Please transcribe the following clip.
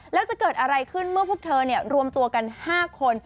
แล้วจะเกิดอะไรขึ้นเมื่อพวกเธอรวมตัวกัน๕คน